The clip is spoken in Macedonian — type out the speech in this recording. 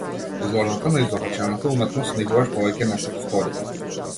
Изложбата на изопачената уметност никогаш повеќе не се повторила.